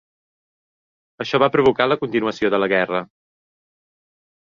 Això va provocar la continuació de la guerra.